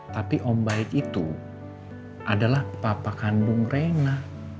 tapi om baik itu adalah papa kandung rena